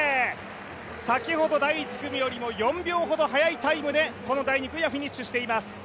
先ほど第１組より４秒ほど速いタイムでこの第２組はフィニッシュしています。